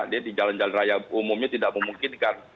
dia di jalan jalan raya umumnya tidak memungkinkan